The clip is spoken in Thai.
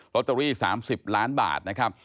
ตเตอรี่๓๐ล้านบาทนะครับ